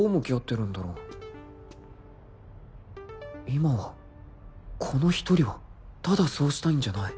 今はこの一人はただそうしたいんじゃない。